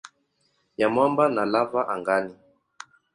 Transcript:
ya mwamba na lava angani.